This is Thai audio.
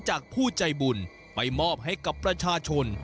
จากผู้ใจบุญไปมอบให้กับประชาชน